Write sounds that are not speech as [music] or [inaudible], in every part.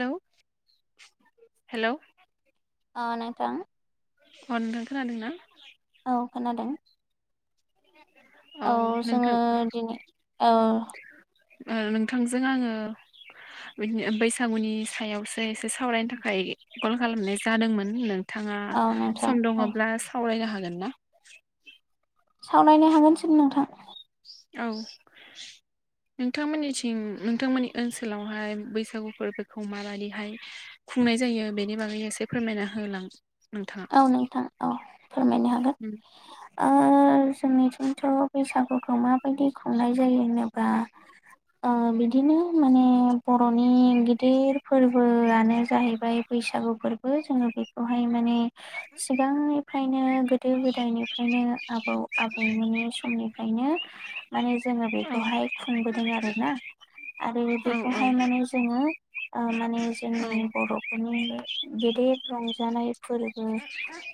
Hello hello ओ नोंथां। अ नोंथां खोनादों ना? औ खोनादों। औ जोङो दिनै औ ओम नोंथांजों आङो। बिदिनो बैसागुनि सायावसो एसे सावरायनो थाखाय कल खालामनाय जादोंमोन नों थाङा औ नोंथां सम औ दङब्ला सावरायनो हागोन ना? सावरायनो हागोनसो नोंथां। औ। नोंथांमोननिथिं नोंथांमोननि ओनसोलावहाय बैसागु फोरबोखौ माबादिहाय खुंनाय जायो बेनि बागैनो एसे फोरमायना होलां। नोंथाङा औ नोंथां औ फोरमायनो हागोन। ओ जोंनिथिंथ' बैसागु खौ माबायदि खुंनाय जायो होनोबा ओ बिदिनो माने बर'नि गिदिर फोरबोआनो जाहैबाय बैसागु फोरबो जोङो बेखौहाय माने सिगांनिफ्रायनो गोदो गोदायनिफ्रायनो आबौ आबैमोननि समनिफ्रायनो माने जोङो औ बेखौहाय खुंबोदों आरो ना आरो औ औ बेखौहाय माने जोङो ओ माने जोंनि बर'फोरनि गेदेर रंजानाय फोर बो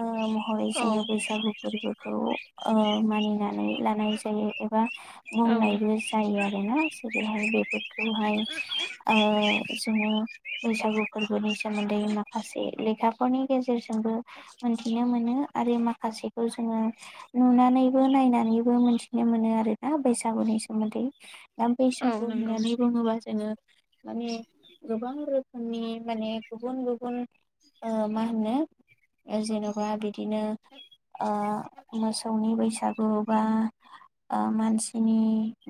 ओ महरै औ जोङो बैसागु फोरबोखौ ओ मानिनानै लानाय जायो एबा औ बुंनायबो जायो आरोना जेरैहाय बेफोरखौहाय। ओ जोङो बैसागु फोरबोनि सोमोन्दै माखासे लेखाफोरनि गेजेरजो जोंबो मोनथिनो मोनो आरो माखासेखौ जोङो नुनानैबो नायनानैबो मोनथिनो मोनो आरोना बैसागुनि सोमोन्दै दा औ बैसागु नंगौ होननानै बुङोबा जोङो। माने गोबां रोखोमनि माने गुबुन गुबुन ओ मा होनो ओ जेन'बा बिदिनो ओ मोसौनि बैसागु बा ओ मानसिनि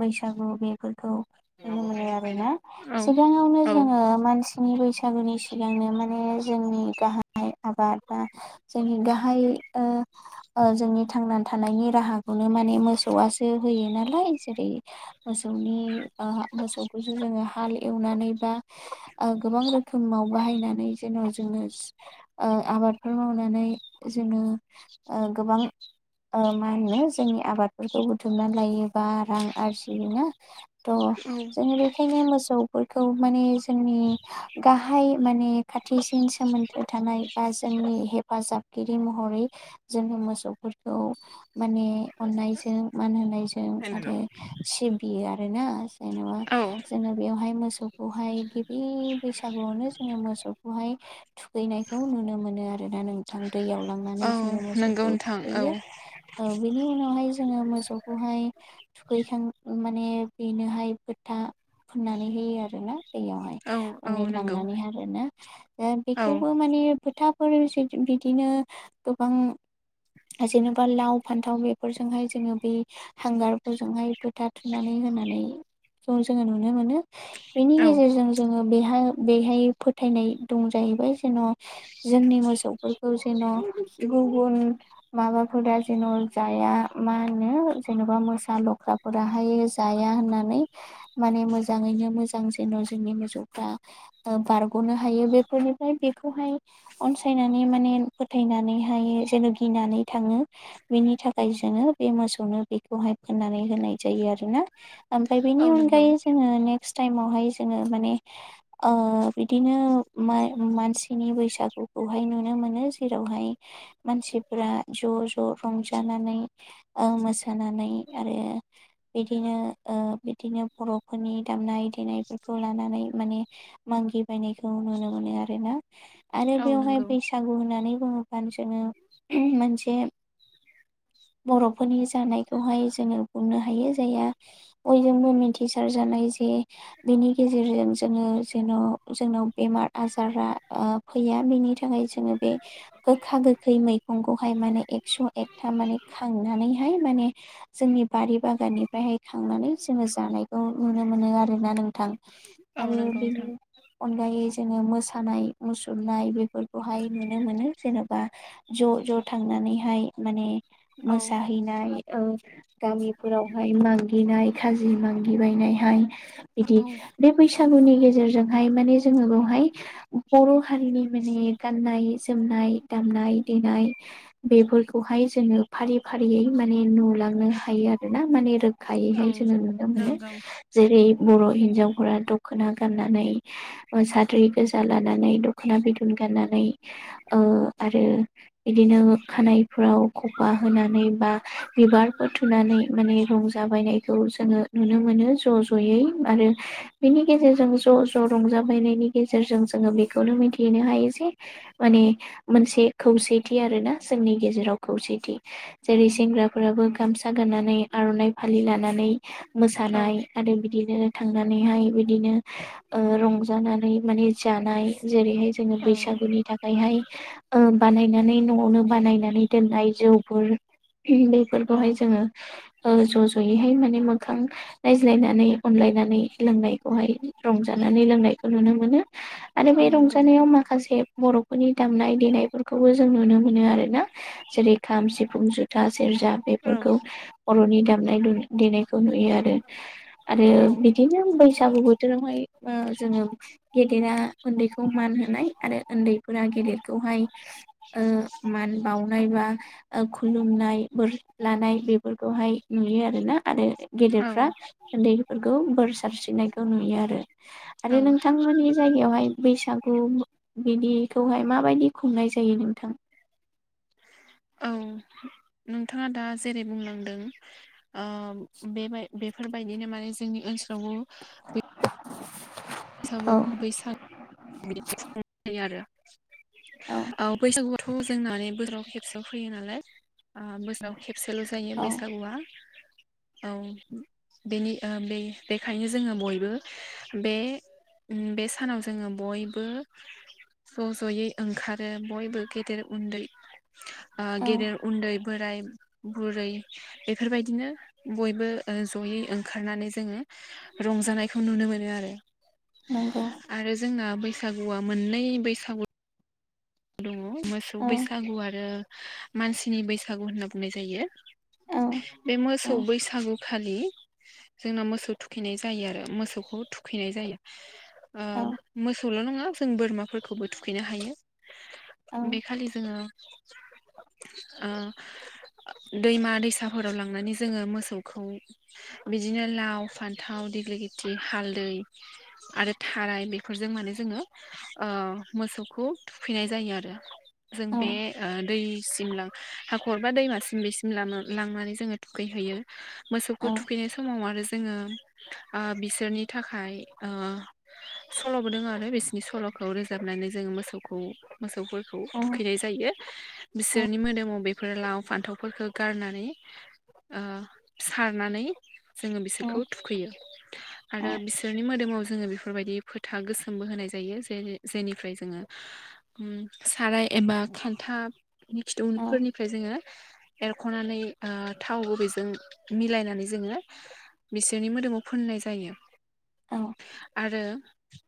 बैसा सागु बेफोरखौ नुनो मोनो आरोना औ सिगाङावनो औ औ जोङो मानसिनि बैसागु नि सिगांनो माने जोंनि गाहाय आबाद या जोंनि गाहाय ओ ओ जोंनि थांनानै थानायनि राहाखौनो माने मोसौ यासो होयो नालाय जेरै- मोसौनि ओ मोसौखौसो जोङो हाल एवना नानै बा ओ गोबां रोखोमाव बाहायनानै जेन' जोंनोस ओ आबाद फोर मावनानै जोङो ओ गोबां ओ मा होनो जोंनि आबादफोरखौ बुथुमनानै लायोबा रां आरजिनो थ'। थ' जोङो बेखायनो मोसौफोरखौ माने जोंनि गाहाय माने खाथि सिन सोमोन्दो थानाय बा जोंनि हेफाजाबगिरि महरै जोङो मोसौफोरखौ माने अननाय जों मान होननाय जों [unintelligible] सिबियो आरोना जेनेबा औ जोङो बेवहाय मोसौखौहाय गिबि बैसागु आवनो जोङो मोसौखौहाय थुखैनायखौ नुनो मोनो आरोना नोंथां दैयाव औ लांनानै जोङो नंगौ मोसौखौ नोंथां औ थुखैयो ओ बेनि उनावहाय जोङो मोसौखौहाय थुखैखां माने बेनोहाय फोथा फुननानै होयो आरोना दैयावहाय औ औ माने नंगौ लांनानै आरोना औ बेखौबो माने फुथा फोर बिदिनो गोबां जेनेबा लाव फान्थाव बेफोरजोंहाय जोङो बे हांगारफोरजोंहाय फोथ थुनानै होनानै जों जोङो नुनो मोनो बेनि औ गेजेरजों जोङो बेहाय बेहाय फोथायनाय दं जायो बिबो जेन' जोंनि मोसौफोरखौ जेन' गुबुन माबाफोरा जेन' जाया मा होनो जेन'बा मोसा लख्राफोराहाय जाया होननानै माने मोजाङै मोजां जेन' जोंनि मोसौफोरा ओ बारग'नो हायो बेफोरनिफ्राय बेखौहाय अनसायनानै माने फोथायनानैहाय जेन' गिनानै थाङो बिनि थाखाय जों जोङो बे मोसौनो बेखौहाय फाननानै होनाय जायो आरोना। ओमफ्राय औ बेनि नंगौ अनगायै जोङो ने क्स टाइमावहाय जोंङो माने ओ बिदिनो मा मानसिनि बैसो बैसागुखौहाय नुनो मोनो जेरावहाय मानसिफोरा ज' ज' रंजानानै ओ मोसानानै आरो बिदिनो ओ बिदिनो बर'फोरनि दाम नाय देनायफोरखौ लानानै माने मागिबायनायखौ नुनो मोनो आरो ना। आरो औ बेवहाय नंगौ बैसागु होननानै बुङोब फानो जोङो मोनसे [inaudible] बर'फोरनि जानायखौहाय जोङो बुंनो हायो जायहा बयजोंबो मिथिसार जानाय जे बिनि गेजेरजों जोङो जेन' जोंनाव बेमार आजारा फैया बेनि थाखाय जोङो बे गोखा गोखै मैगंखौहाय माने एकस' एकथा माने खांनानैहाय माने जोंनि बारि बागाननिफ्रायहाय खांनानै जोङो जानायखौ नुनो मोनो। मोनो आरोना नोंथां औ आरो नंगौ बेनि नोंथां अनगायै जोङो मोसानाय मुसुरनाय बेफोरखौहाय नुनो मोनो जेन'बा ज' ज' थांनानैहाय माने औ मोसाहैनाय गामिफोरावहाय मागिनाय खाजि मागिबायनायहाय बिदि औ बे बैसागुनि गेजेरजोंहाय माने जोङो बेवहाय बर' हारिनि माने गाननाय जोमनाय दामनाय देनाय बेफोरखौहाय जोङो फारि फारियै माने नुलांनो हायो आरोना माने खायैहाय औ जोङो नुनो मोनो नंगौ जेरै बर' हिन्जावफोरा दख'ना गाननानै साद्रि गोजाला नानै दखना बिदन गाननानै ओ आरो बिदिनो खानायफ्राव खफा होनानै बा बिबारफोर थुनानै माने रंजा बायनायखौ जोङो नुनो मोन मोनो ज' ज'यै आरो बिनि गेजेरजों ज' ज' रंजा बायनायनि गेजेरजों जोङो बेखौनो मिथिहनो हायो जे माने मोनसे खौसेथि आरोना जोंनि गेजेराव खौसे जेरै सेंग्राफोराबो गामसा गाननानै आर'नाइ फालि लानानै मोस औ मोसानाय आरो बिदिनो थांनानैहाय बिदिनो रंजानानै माने जानाय जेरैहाय जोङो औ बैसागुनि थाखाय ओमफ्रायहाय ओ बानायनानै न'आवनो बानायनानै दोननाय जौफोर औ बेफोरखौहाय जोङो ज' ज'यैहाय माने मोखां नायज्लायनानै अनलाय गायनानै लोंनायखौहाय रंजानानै लोंनायखौ नुनो मोनो। आरो बे औ नंगौ रंजानायाव नोंथां माखासे बर'फोरनि दामनाय-देनायफोरखौबो जों नुनो मोनो आरो ना जेरै खाम, सिफुं, जुथा, सेर जा औ बेफोरखौ बर'नि दामनाय दु-देनायखौ नुयो आरो आरो औ बिदि नो बैसागु बोथोरावहाय आ जोङो गेदेरा उन्दैखौ मान होनाय आरो उन्दैफोरा गेदेरखौहाय ओ मान बावनाय बा ओ खुलुमनाय बोर लानाय बेफोरखौहाय नुयो आर ना आरो औ गेदेरफ्रा उन्दैफोरखौ बोर सारस्रिनायखौ नुयो आरो। औ। बे जायगायावहाय बैसागु बिदिखौहाय माबायदि खुंनाय जायो नोंथां? [inaudible] नोंथाङा दा जेरै बुंलांदों आ बेबाय बेफोरबायदिनो माने जोंनि ओनसोलावबो [inaudible] बसाबो औ बैसाग [inaudible] आरो औ बैसागुवा थ' जोंना बोसोराव खेबसेल' फैयो नालाय आ बोसोराव खेब सेल' जायो औ बैसागुआ। औ बेनि ओ बे-बेखायनो जोङो बयबो बे उम बे सानाव जोङो बयबो ज'-जयै ओंखारो बयबो गेदेर-उन्दै ओ औ गेदेर-उन्दै बोराय-बुरै बेफोरबायदिनो बयबो ओ जयै ओंखारनानै जोङो रंजानायखौ नुनो मोनो आरो। नंगौ आरो जोंना बैसागुआ मोननै बैसागु दङ मोसौ औ बैसागु आरो मानसिनि बैसागु होनना बुंनाय जायो। औ बे मोसौ औ बैसागुखालि जोंना मोसौ थुखैनाय जायो आरो मोसौखौ थुखैनाय जायो। ओ औ मोसौल' नङा जों बोरमाफोरखौबो थुखैनो हायो। औ बे खालि जोङो ओ दैमा-दैसाफोराव लांनानै जोङो मोसौखौ बिदिनो लाव-फान्थाव देग्लिथि हालदै आरो थाराय बेफोरजों माने जोङो ओ मोसौखौ थुखैनाय जायो आरो। जों बे ओ दै सिम लां हाखर बा दैमासिम बेसिम लांना-लांनानै जोङो थुखैहैयो। मोसौखौ औ थुखैनाय समाव आरो जोङो ओ बिसोरनि थाखाय ओ सल'बो दोंङो आरो बिसोरनि सल' खौ रोजाबनानै जोङो मोसौखौ मोसौफोर खौ थुखैनाय जायो औ बिसोरनि मोदोमाव बेफोर लाव-फान्थावफोरखौ गारनानै ओ सारनानै जोङो औ बिसोरखौ थुखैयो। औ आरो बिसोरनि मोदोमाव जोङो बेफोरबायदि फोथा गोसोमबो होनाय जायो जेरे-जेनिफ्राय जोङो उम साराय एबा खान्था नि खिथुफोरनिफ्राय जोङो एरख'नानै आ थाव गुबैजों मिलायनानै जोङो बिसोरनि मोदोमाव फोननाय जायो। आरो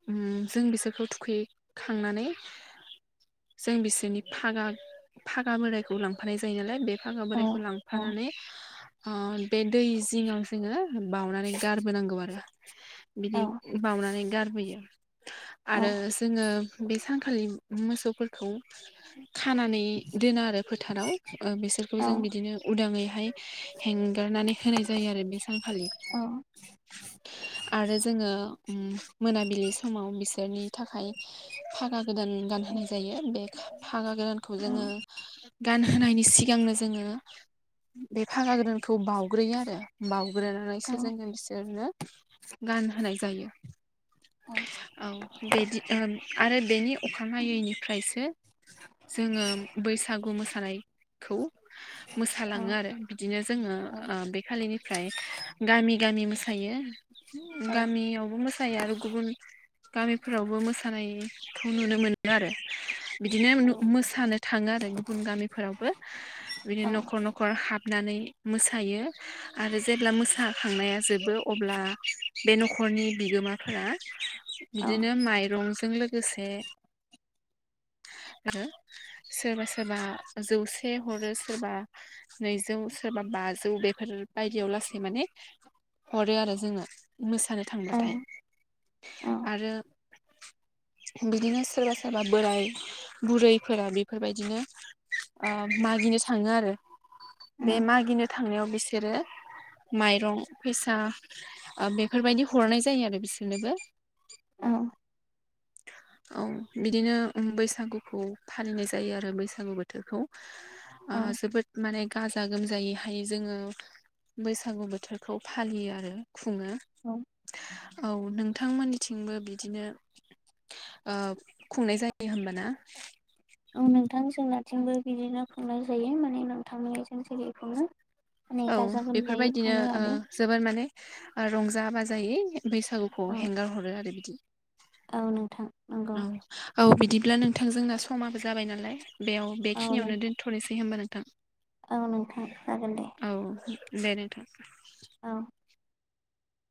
उम जों बिसोरखौ थुखै खांनानै जों बिसोरनि फागा फागा बोराइखौ लांफानाय जायो नालाय बे फागा बोराइखौ लांफानानै अ' बे दै जिङाव जोङो बावउनानै गारबोनांगौ आरो बिदि बावनानै गारबोयो। आरो जोङो बे सानखालि मोसौफोर खौ खानानै दोना आरो फोथाराव ओ बिसोरखौ जों बिदिनो उदांङैहाय हेंगारनानै होनाय जायो आरो बे सानखालि। आरो जोङो उम मोनाबिलि समाव बिसोरनि थाखाय फागा गोदान गानहोनाय जायो। बे भागा गोरानखौ जोङो गान होनोनायनि सिगांनो जोङो बे फागा गोरानखौ बाउग्रोयो आरो बाउग्रोनानैसो जोङो बिसोरनो गान होनाय जायो। औ बिदि आरो बेनि अखानायैनिफ्रायसो जोङो बैसागु मोसानाय खौ मोसालाङो आरो बिदिनो जोङो ओ बे खालिनिफ्राय गामि गामि मि मोसायो गामियावबो मोसायो आरो गुबुन गामिफोरावबो मोसानायखौ नुनो मोनो आरो। बिदिनो मोसानो थाङो आरो गुबुन गामिफोरावबो बिदिनो न'खर न'खर हाबनानै मोसायो आरो जेब्ला मोसाखांनाया जोबो अब्ला बे न'खरनि बिगोमाफोरा बिदिनो माइरंजों लोगोसे सोरबा सोरबा जौसे हरो सोरबा नैजौ सोरबा बाजौ बेफोर बायदियाव लासै माने हरो आरो जोङो मोसानो थांब्लाथाय आरो बिदिनो सोरबा सोरबा बोराय बुरैफोरा बेफोरबायदिनो ओ मागिनो थाङो आरो बे मागिनो थांनायाव बिसोरो माइरं फैसा बेफोरबायदि हरनाय जायो आरो बिसोरनोबो औ। औ बिदिनो बैसागुखौ फालिनाय जायो आरो बैसागु बोथोरखौ। ओ जोबोद माने गाजा गाजा गोमजायैहाय जोङो बैसागु बोथोरखौ फालियो आरो। खुङो औ नोंथांमोननिथिंबो बिदिनो खुंनाय जायो होनबाना? औ नोंथां जोंनिथिंबो बिदिनो खुंनाय जायो माने नोंथांमोननिथिं जेरै खुङो। माने औ गाजा गोमजायै बेफोरबायदिनो खुङो ओ आरो जोबोर माने रंजा बाजायै बैसागुखौ औ हेंगार हरो आरो बिदि औ नोंथां नंगौ औ औ बिदिब्ला नोंथां जोंना समाबो जाबाय नालाय बेयाव औ बेखिनियावनो नोंथां दोनथ'नोसै होमबा नोंथां। औ नोंथां जागोन दे। औ दे नोंथां। औ।